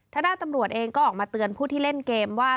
ด้านตำรวจเองก็ออกมาเตือนผู้ที่เล่นเกมว่า